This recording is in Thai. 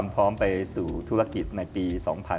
ไปสู่ธุรกิจในปี๒๐๒๓